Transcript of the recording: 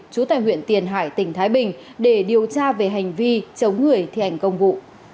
trú tại huyện tiền hải tỉnh thái bình để điều tra về hành vi chống người thi hành công vụ